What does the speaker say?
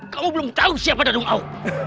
kamu belum tau siapa danung au